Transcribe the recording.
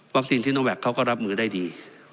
วัคซีนที่โซโนแวกเขาก็รับมือได้ดี